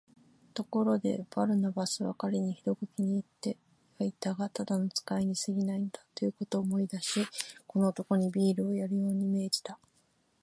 ところで、バルナバスは彼にひどく気に入ってはいたが、ただの使いにすぎないのだ、ということを思い出し、この男にビールをやるように命じた。